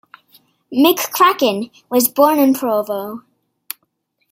McCracken was born in Provo.